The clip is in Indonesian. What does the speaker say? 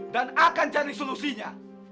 dan akan cari solusinya